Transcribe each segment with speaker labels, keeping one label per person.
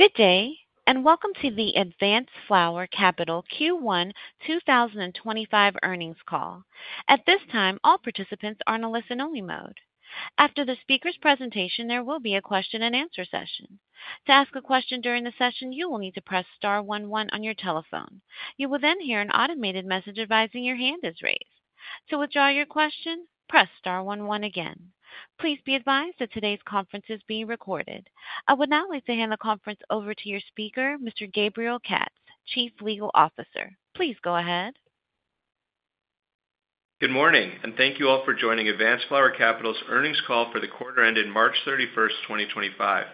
Speaker 1: Good day, and welcome to the Advanced Flower Capital Q1 2025 Earnings Call. At this time, all participants are in a listen-only mode. After the speaker's presentation, there will be a question-and-answer session. To ask a question during the session, you will need to press star one one on your telephone. You will then hear an automated message advising your hand is raised. To withdraw your question, press star one one again. Please be advised that today's conference is being recorded. I would now like to hand the conference over to your speaker, Mr. Gabriel Katz, Chief Legal Officer. Please go ahead.
Speaker 2: Good morning, and thank you all for joining Advanced Flower Capital's Earnings Call for the quarter ending March 31st, 2025.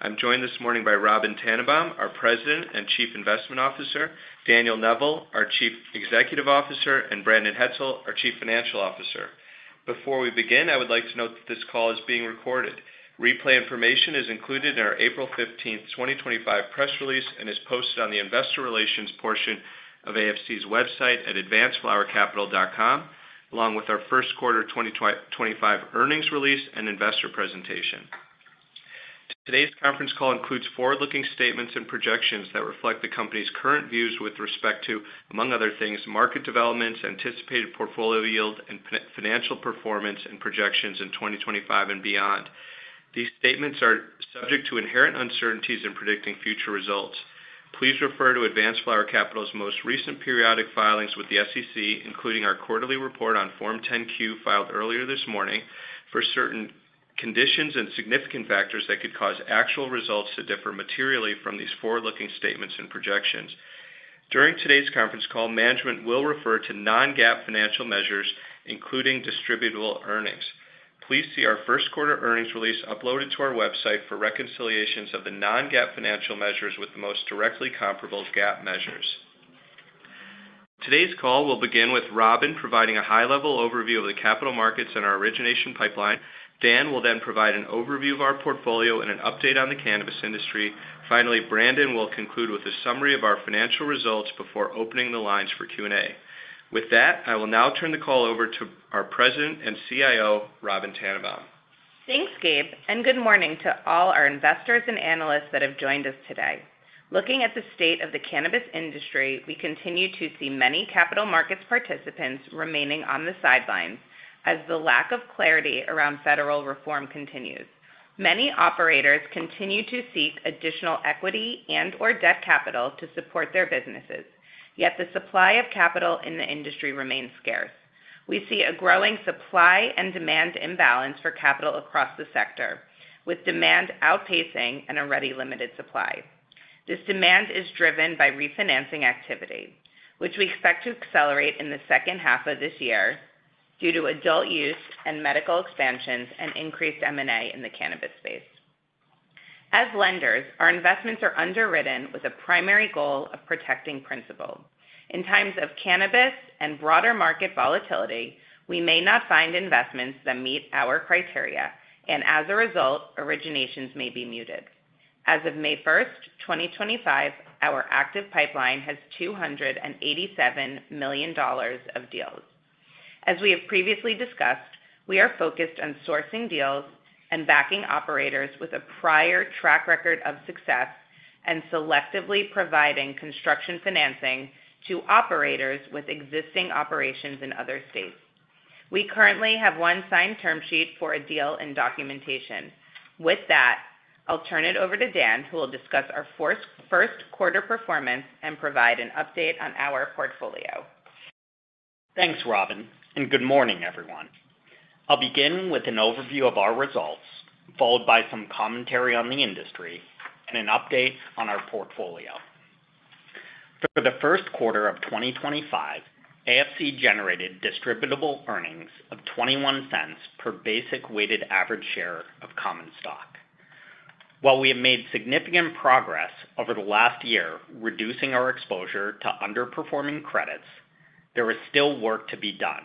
Speaker 2: I'm joined this morning by Robyn Tannenbaum, our President and Chief Investment Officer; Daniel Neville, our Chief Executive Officer; and Brandon Hetzel, our Chief Financial Officer. Before we begin, I would like to note that this call is being recorded. Replay information is included in our April 15, 2025 press release and is posted on the investor relations portion of AFC's website at advancedflowercapital.com, along with our first quarter 2025 earnings release and investor presentation. Today's conference call includes forward-looking statements and projections that reflect the company's current views with respect to, among other things, market developments, anticipated portfolio yield, and financial performance and projections in 2025 and beyond. These statements are subject to inherent uncertainties in predicting future results. Please refer to Advanced Flower Capital's most recent periodic filings with the SEC, including our quarterly report on Form 10-Q filed earlier this morning, for certain conditions and significant factors that could cause actual results to differ materially from these forward-looking statements and projections. During today's conference call, management will refer to non-GAAP financial measures, including distributable earnings. Please see our first quarter earnings release uploaded to our website for reconciliations of the non-GAAP financial measures with the most directly comparable GAAP measures. Today's call will begin with Robyn providing a high-level overview of the capital markets and our origination pipeline. Dan will then provide an overview of our portfolio and an update on the cannabis industry. Finally, Brandon will conclude with a summary of our financial results before opening the lines for Q and A. With that, I will now turn the call over to our President and CIO, Robyn Tannenbaum.
Speaker 3: Thanks, Gabe, and good morning to all our investors and analysts that have joined us today. Looking at the state of the cannabis industry, we continue to see many capital markets participants remaining on the sidelines as the lack of clarity around federal reform continues. Many operators continue to seek additional equity and or debt capital to support their businesses, yet the supply of capital in the industry remains scarce. We see a growing supply and demand imbalance for capital across the sector, with demand outpacing an already limited supply. This demand is driven by refinancing activity, which we expect to accelerate in the second half of this year due to adult use and medical expansions and increased M&A in the cannabis space. As lenders, our investments are underwritten with a primary goal of protecting principal. In times of cannabis and broader market volatility, we may not find investments that meet our criteria, and as a result, originations may be muted. As of May 1st, 2025, our active pipeline has $287 million of deals. As we have previously discussed, we are focused on sourcing deals and backing operators with a prior track record of success and selectively providing construction financing to operators with existing operations in other states. We currently have one signed term sheet for a deal and documentation. With that, I'll turn it over to Dan, who will discuss our first quarter performance and provide an update on our portfolio.
Speaker 4: Thanks, Robyn, and good morning, everyone. I'll begin with an overview of our results, followed by some commentary on the industry and an update on our portfolio. For the first quarter of 2025, AFC generated distributable earnings of $0.21 per basic weighted average share of common stock. While we have made significant progress over the last year reducing our exposure to underperforming credits, there is still work to be done,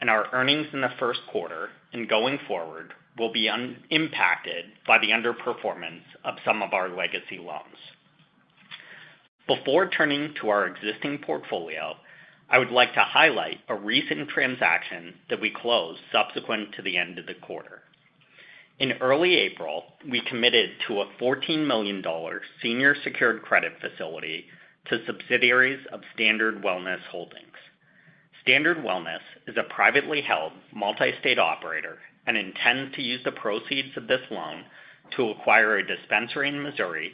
Speaker 4: and our earnings in the first quarter and going forward will be impacted by the underperformance of some of our legacy loans. Before turning to our existing portfolio, I would like to highlight a recent transaction that we closed subsequent to the end of the quarter. In early April, we committed to a $14 million senior secured credit facility to subsidiaries of Standard Wellness Holdings. Standard Wellness is a privately held multi-state operator and intends to use the proceeds of this loan to acquire a dispensary in Missouri,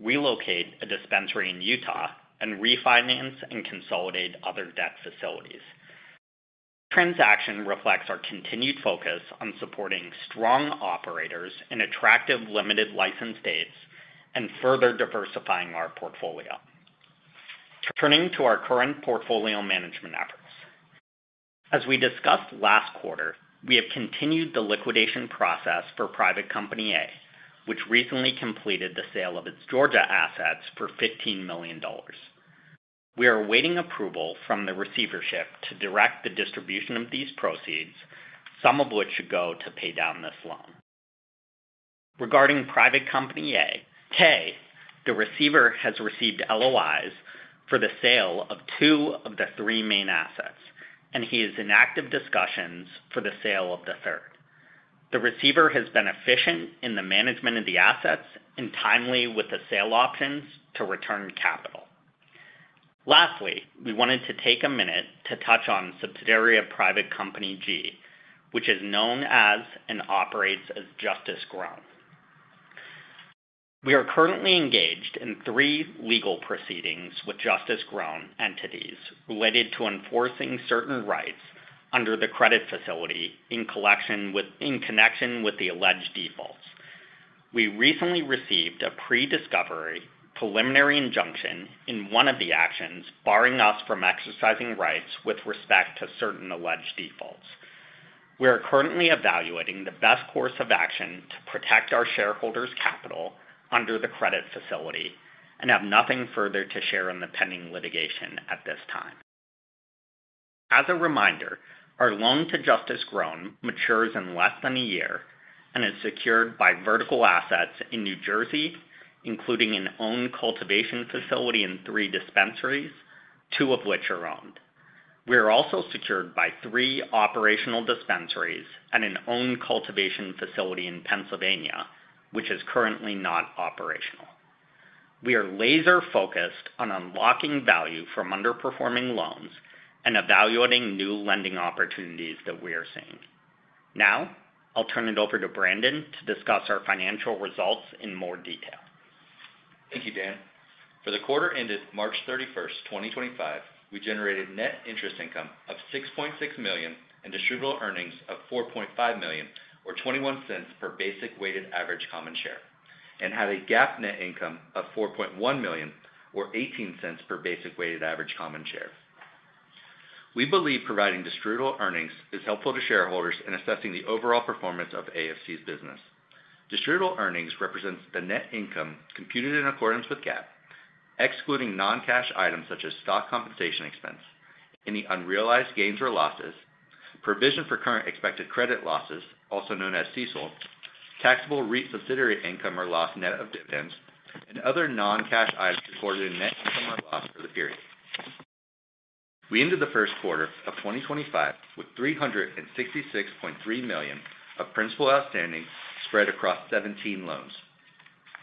Speaker 4: relocate a dispensary in Utah, and refinance and consolidate other debt facilities. This transaction reflects our continued focus on supporting strong operators in attractive limited license states and further diversifying our portfolio. Turning to our current portfolio management efforts, as we discussed last quarter, we have continued the liquidation process for private company A, which recently completed the sale of its Georgia assets for $15 million. We are awaiting approval from the receivership to direct the distribution of these proceeds, some of which should go to pay down this loan. Regarding private company A, the receiver has received LOIs for the sale of two of the three main assets, and he is in active discussions for the sale of the third. The receiver has been efficient in the management of the assets and timely with the sale options to return capital. Lastly, we wanted to take a minute to touch on subsidiary of private company G, which is known as and operates as Justice Grown. We are currently engaged in three legal proceedings with Justice Grown entities related to enforcing certain rights under the credit facility in connection with the alleged defaults. We recently received a pre-discovery preliminary injunction in one of the actions barring us from exercising rights with respect to certain alleged defaults. We are currently evaluating the best course of action to protect our shareholders' capital under the credit facility and have nothing further to share in the pending litigation at this time. As a reminder, our loan to Justice Grown matures in less than a year and is secured by vertical assets in New Jersey, including an owned cultivation facility and three dispensaries, two of which are owned. We are also secured by three operational dispensaries and an owned cultivation facility in Pennsylvania, which is currently not operational. We are laser-focused on unlocking value from underperforming loans and evaluating new lending opportunities that we are seeing. Now, I'll turn it over to Brandon to discuss our financial results in more detail.
Speaker 5: Thank you, Dan. For the quarter ended March 31st, 2025, we generated net interest income of $6.6 million and distributable earnings of $4.5 million, or $0.21 per basic weighted average common share, and had a GAAP net income of $4.1 million, or $0.18 per basic weighted average common share. We believe providing distributable earnings is helpful to shareholders in assessing the overall performance of AFC's business. Distributable earnings represents the net income computed in accordance with GAAP, excluding non-cash items such as stock compensation expense, any unrealized gains or losses, provision for current expected credit losses, also known as CECL, taxable REIT subsidiary income or loss net of dividends, and other non-cash items recorded in net income or loss for the period. We ended the first quarter of 2025 with $366.3 million of principal outstanding spread across 17 loans.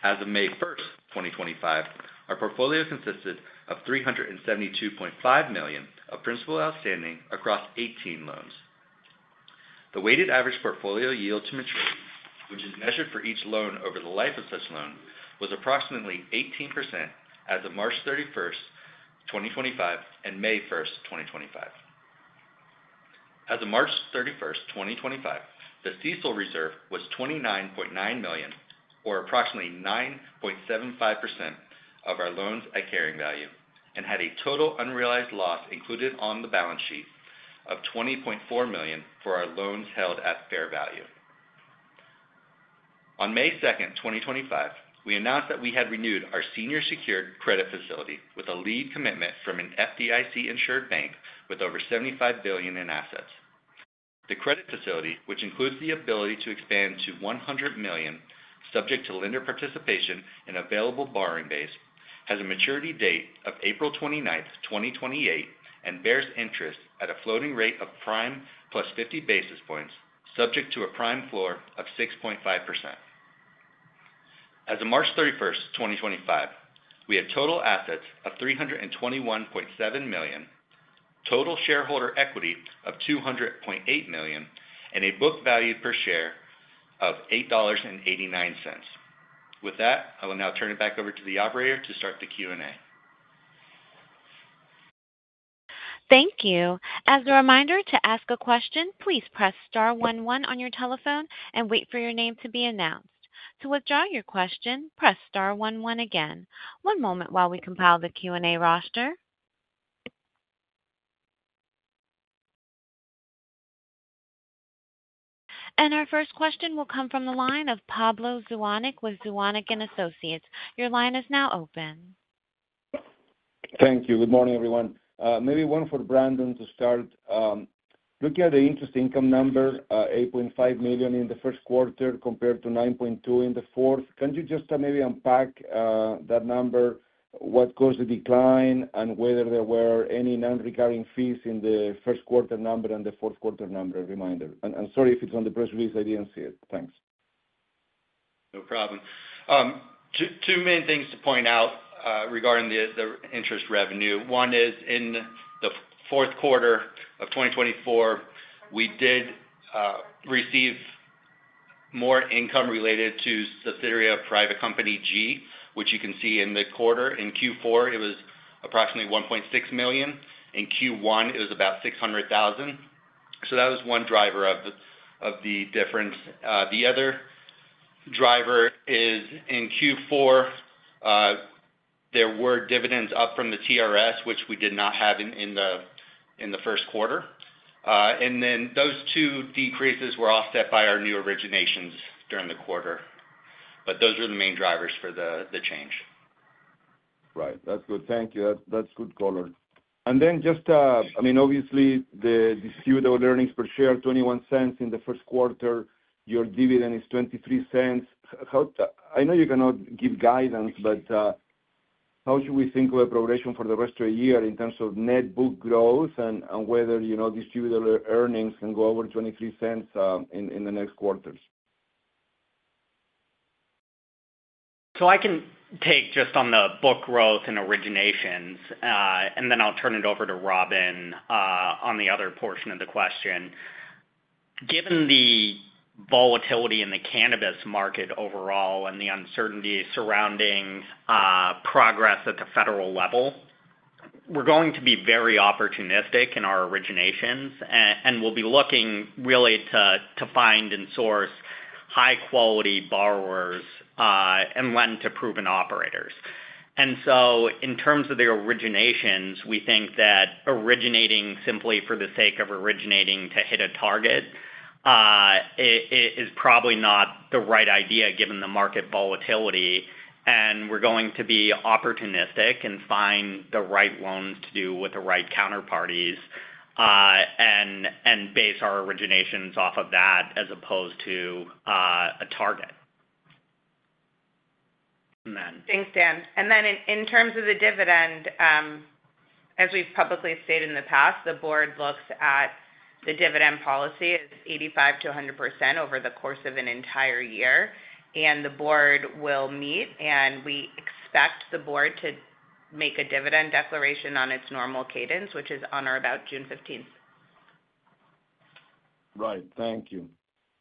Speaker 5: As of May 1st, 2025, our portfolio consisted of $372.5 million of principal outstanding across 18 loans. The weighted average portfolio yield to maturity, which is measured for each loan over the life of such loan, was approximately 18% as of March 31st, 2025, and May 1st, 2025. As of March 31st, 2025, the CECL reserve was $29.9 million, or approximately 9.75% of our loans at carrying value, and had a total unrealized loss included on the balance sheet of $20.4 million for our loans held at fair value. On May 2nd, 2025, we announced that we had renewed our senior secured credit facility with a lead commitment from an FDIC insured bank with over $75 billion in assets. The credit facility, which includes the ability to expand to $100 million, subject to lender participation and available borrowing base, has a maturity date of April 29th, 2028, and bears interest at a floating rate of prime plus 50 basis points, subject to a prime floor of 6.5%. As of March 31st, 2025, we have total assets of $321.7 million, total shareholder equity of $200.8 million, and a book value per share of $8.89. With that, I will now turn it back over to the operator to start the Q and A.
Speaker 1: Thank you. As a reminder to ask a question, please press star one one on your telephone and wait for your name to be announced. To withdraw your question, press star one one again. One moment while we compile the Q and A roster. Our first question will come from the line of Pablo Zuanic with Zuanic & Associates. Your line is now open.
Speaker 6: Thank you. Good morning, everyone. Maybe one for Brandon to start. Looking at the interest income number, $8.5 million in the first quarter compared to $9.2 million in the fourth, can you just maybe unpack that number, what caused the decline, and whether there were any non-recurring fees in the first quarter number and the fourth quarter number reminder? Sorry if it's on the press release, I didn't see it. Thanks.
Speaker 5: No problem. Two main things to point out regarding the interest revenue. One is in the fourth quarter of 2024, we did receive more income related to subsidiary of private company G, which you can see in the quarter. In Q4, it was approximately $1.6 million. In Q1, it was about $600,000. That was one driver of the difference. The other driver is in Q4, there were dividends up from the TRS, which we did not have in the first quarter. Those two decreases were offset by our new originations during the quarter. Those are the main drivers for the change.
Speaker 6: Right. That's good. Thank you. That's good, quarter. I mean, obviously, the distributable earnings per share, $0.21 in the first quarter, your dividend is $0.23. I know you cannot give guidance, but how should we think of a progression for the rest of the year in terms of net book growth and whether distributable earnings can go over $0.23 in the next quarters?
Speaker 4: I can take just on the book growth and originations, and then I'll turn it over to Robyn on the other portion of the question. Given the volatility in the cannabis market overall and the uncertainty surrounding progress at the federal level, we're going to be very opportunistic in our originations, and we'll be looking really to find and source high-quality borrowers and lend to proven operators. In terms of the originations, we think that originating simply for the sake of originating to hit a target is probably not the right idea given the market volatility, and we're going to be opportunistic and find the right loans to do with the right counterparties and base our originations off of that as opposed to a target.
Speaker 3: Thanks, Dan. In terms of the dividend, as we've publicly stated in the past, the board looks at the dividend policy as 85%-100% over the course of an entire year, and the board will meet, and we expect the board to make a dividend declaration on its normal cadence, which is on or about June 15th.
Speaker 6: Right. Thank you.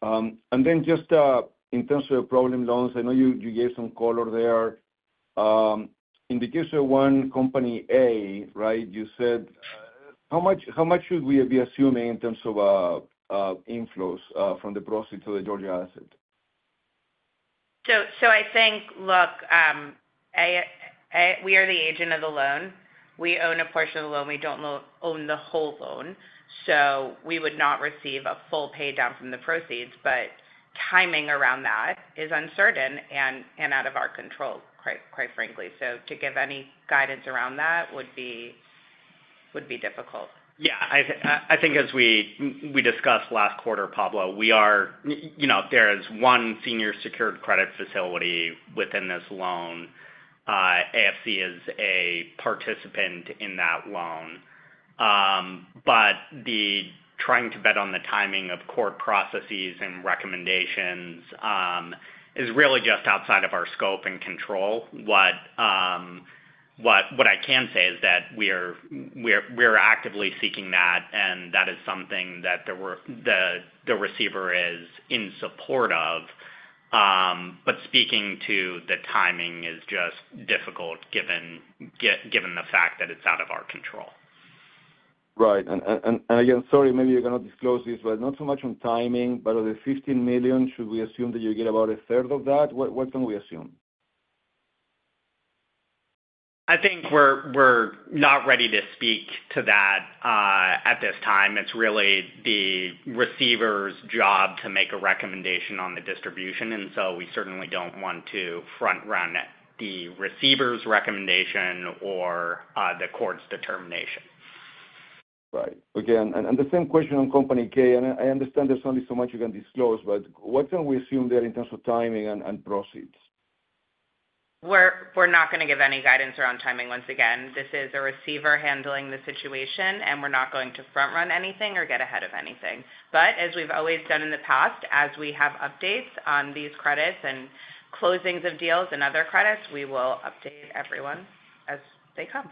Speaker 6: In terms of your problem loans, I know you gave some color there. In the case of one company A, right, you said how much should we be assuming in terms of inflows from the proceeds of the Georgia asset?
Speaker 3: I think, look, we are the agent of the loan. We own a portion of the loan. We don't own the whole loan. We would not receive a full pay down from the proceeds, but timing around that is uncertain and out of our control, quite frankly. To give any guidance around that would be difficult.
Speaker 4: Yeah. I think as we discussed last quarter, Pablo, there is one senior secured credit facility within this loan. AFC is a participant in that loan. Trying to bet on the timing of court processes and recommendations is really just outside of our scope and control. What I can say is that we are actively seeking that, and that is something that the receiver is in support of. Speaking to the timing is just difficult given the fact that it's out of our control.
Speaker 6: Right. Again, sorry, maybe you're going to disclose this, but not so much on timing, but of the $15 million, should we assume that you get about a third of that? What can we assume?
Speaker 4: I think we're not ready to speak to that at this time. It's really the receiver's job to make a recommendation on the distribution, and so we certainly don't want to front-run the receiver's recommendation or the court's determination.
Speaker 6: Right. Again, the same question on company K. I understand there's only so much you can disclose, but what can we assume there in terms of timing and proceeds?
Speaker 3: We're not going to give any guidance around timing once again. This is a receiver handling the situation, and we're not going to front-run anything or get ahead of anything. As we've always done in the past, as we have updates on these credits and closings of deals and other credits, we will update everyone as they come.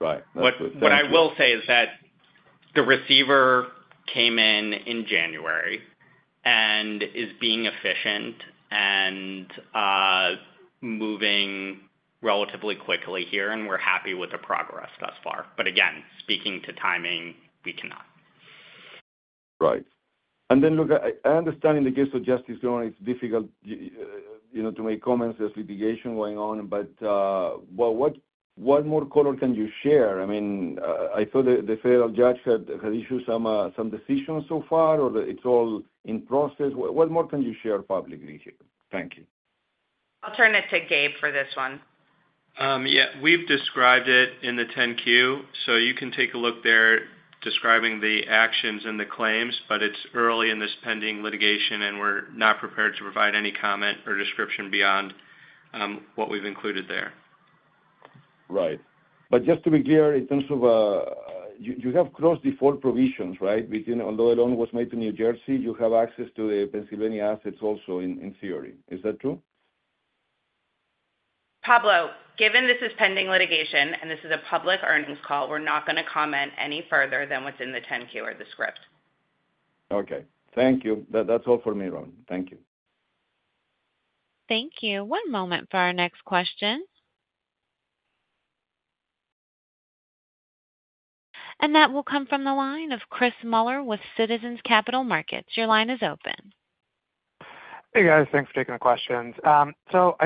Speaker 6: Right.
Speaker 4: What I will say is that the receiver came in in January and is being efficient and moving relatively quickly here, and we're happy with the progress thus far. Again, speaking to timing, we cannot.
Speaker 6: Right. Look, I understand in the case of Justice Grown, it's difficult to make comments as litigation is going on, but what more color can you share? I mean, I thought the federal judge had issued some decisions so far, or it's all in process. What more can you share publicly here? Thank you.
Speaker 3: I'll turn it to Gabe for this one.
Speaker 2: Yeah. We've described it in the 10-Q, so you can take a look there describing the actions and the claims, but it's early in this pending litigation, and we're not prepared to provide any comment or description beyond what we've included there.
Speaker 6: Right. Just to be clear, in terms of you have cross-default provisions, right? Although the loan was made to New Jersey, you have access to the Pennsylvania assets also in theory. Is that true?
Speaker 3: Pablo, given this is pending litigation and this is a public earnings call, we're not going to comment any further than what's in the 10-Q or the script.
Speaker 6: Okay. Thank you. That's all for me, Robyn. Thank you.
Speaker 1: Thank you. One moment for our next question. That `will come from the line of Chris Muller with Citizens Capital Markets. Your line is open.
Speaker 7: Hey, guys. Thanks for taking the questions. I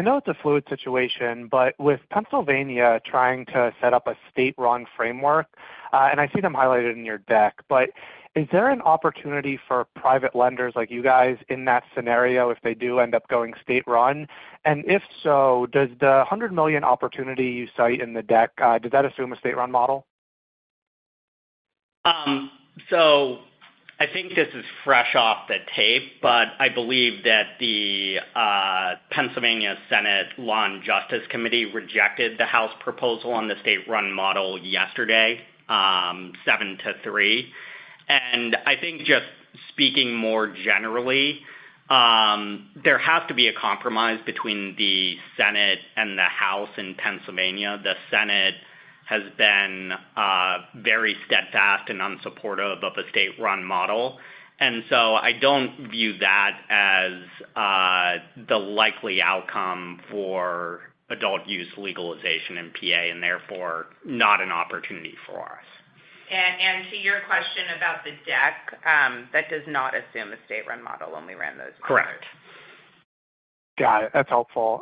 Speaker 7: know it's a fluid situation, but with Pennsylvania trying to set up a state-run framework, and I see them highlighted in your deck, is there an opportunity for private lenders like you guys in that scenario if they do end up going state-run? If so, does the $100 million opportunity you cite in the deck assume a state-run model?
Speaker 4: I think this is fresh off the tape, but I believe that the Pennsylvania Senate Law and Justice Committee rejected the House proposal on the state-run model yesterday, 7-3. I think just speaking more generally, there has to be a compromise between the Senate and the House in Pennsylvania. The Senate has been very steadfast and unsupportive of a state-run model. I do not view that as the likely outcome for adult use legalization in PA and therefore not an opportunity for us.
Speaker 3: To your question about the deck, that does not assume a state-run model when we ran those numbers.
Speaker 4: Correct.
Speaker 7: Got it. That's helpful.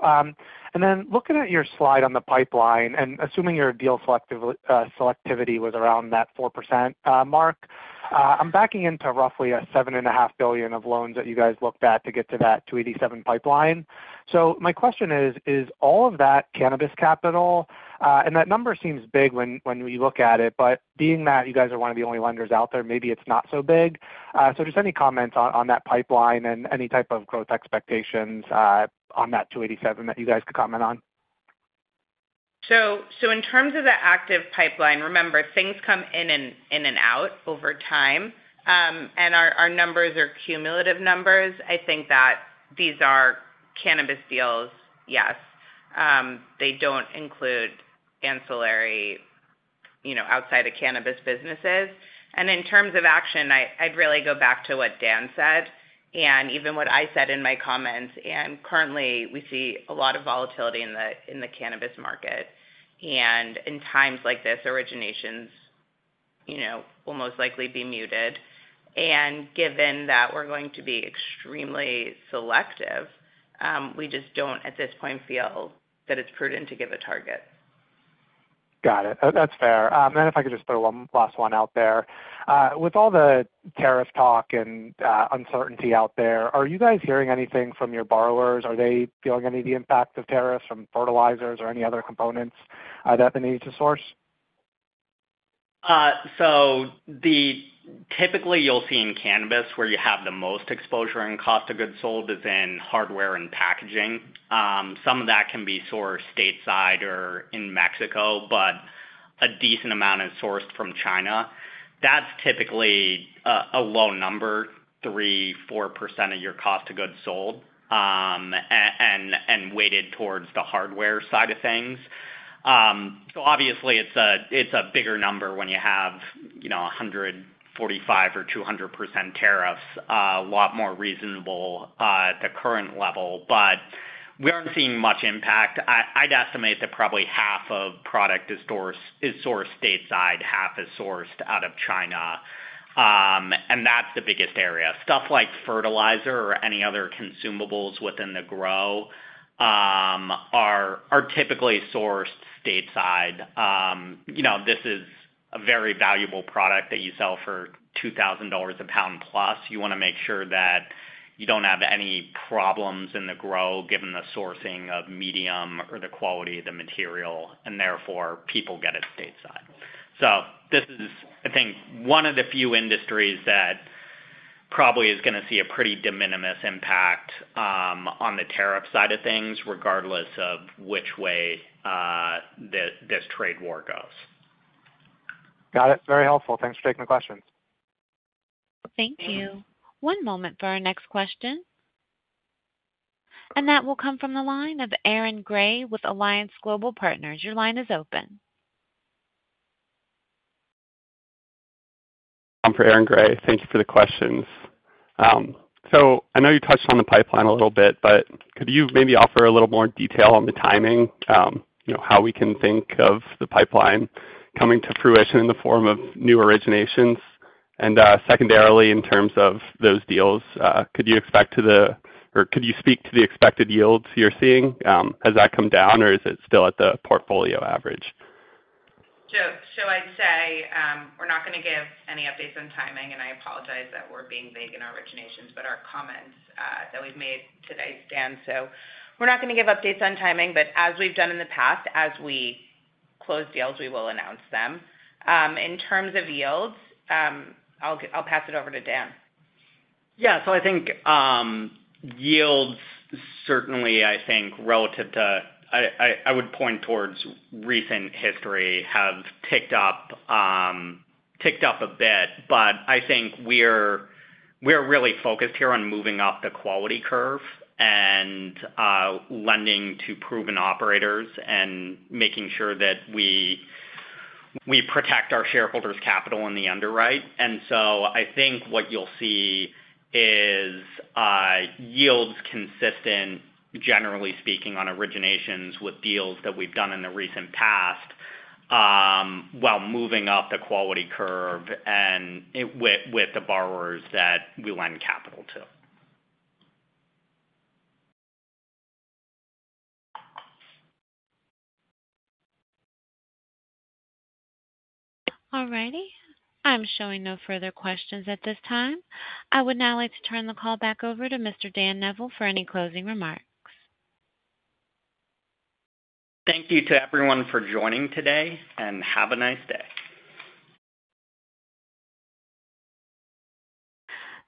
Speaker 7: Then looking at your slide on the pipeline, and assuming your deal selectivity was around that 4% mark, I'm backing into roughly $7.5 billion of loans that you guys looked at to get to that $287 million pipeline. My question is, is all of that cannabis capital? That number seems big when you look at it, but being that you guys are one of the only lenders out there, maybe it's not so big. Just any comments on that pipeline and any type of growth expectations on that $287 million that you guys could comment on?
Speaker 3: In terms of the active pipeline, remember, things come in and out over time, and our numbers are cumulative numbers. I think that these are cannabis deals, yes. They do not include ancillary outside of cannabis businesses. In terms of action, I would really go back to what Dan said and even what I said in my comments. Currently, we see a lot of volatility in the cannabis market. In times like this, originations will most likely be muted. Given that we are going to be extremely selective, we just do not at this point feel that it is prudent to give a target.
Speaker 7: Got it. That's fair. If I could just throw one last one out there. With all the tariff talk and uncertainty out there, are you guys hearing anything from your borrowers? Are they feeling any of the impacts of tariffs from fertilizers or any other components that they need to source?
Speaker 4: Typically, you'll see in cannabis where you have the most exposure and cost of goods sold is in hardware and packaging. Some of that can be sourced stateside or in Mexico, but a decent amount is sourced from China. That's typically a low number, 3%-4% of your cost of goods sold and weighted towards the hardware side of things. Obviously, it's a bigger number when you have 145% or 200% tariffs, a lot more reasonable at the current level, but we aren't seeing much impact. I'd estimate that probably half of product is sourced stateside, half is sourced out of China. That's the biggest area. Stuff like fertilizer or any other consumables within the grow are typically sourced stateside. This is a very valuable product that you sell for $2,000 a 1+ lb. You want to make sure that you do not have any problems in the grow given the sourcing of medium or the quality of the material, and therefore, people get it stateside. This is, I think, one of the few industries that probably is going to see a pretty de minimis impact on the tariff side of things regardless of which way this trade war goes.
Speaker 7: Got it. Very helpful. Thanks for taking the questions.
Speaker 1: Thank you. One moment for our next question. That will come from the line of Aaron Gray with Alliance Global Partners. Your line is open.
Speaker 8: I'm for Aaron Gray. Thank you for the questions. I know you touched on the pipeline a little bit, but could you maybe offer a little more detail on the timing, how we can think of the pipeline coming to fruition in the form of new originations? Secondarily, in terms of those deals, could you speak to the expected yields you're seeing? Has that come down, or is it still at the portfolio average?
Speaker 3: I'd say we're not going to give any updates on timing, and I apologize that we're being vague in our originations, but our comments that we've made today stand. We're not going to give updates on timing, but as we've done in the past, as we close deals, we will announce them. In terms of yields, I'll pass it over to Dan.
Speaker 4: Yeah. I think yields certainly, I think, relative to, I would point towards recent history, have ticked up a bit, but I think we're really focused here on moving up the quality curve and lending to proven operators and making sure that we protect our shareholders' capital in the underwrite. I think what you'll see is yields consistent, generally speaking, on originations with deals that we've done in the recent past while moving up the quality curve and with the borrowers that we lend capital to.
Speaker 1: All righty. I'm showing no further questions at this time. I would now like to turn the call back over to Mr. Daniel Neville for any closing remarks.
Speaker 4: Thank you to everyone for joining today, and have a nice day.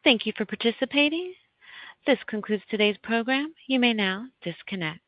Speaker 1: Thank you for participating. This concludes today's program. You may now disconnect.